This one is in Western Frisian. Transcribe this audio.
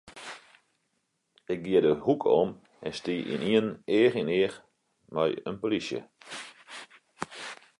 Ik gie de hoeke om en stie ynienen each yn each mei in polysje.